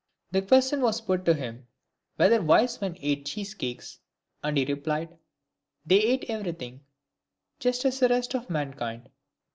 The question was put to him, whether wise men ate cheese cakes, and he replied, '' They eat everything, just as the rest of mankind."